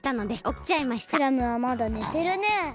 クラムはまだねてるね。